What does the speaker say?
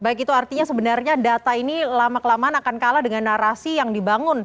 baik itu artinya sebenarnya data ini lama kelamaan akan kalah dengan narasi yang dibangun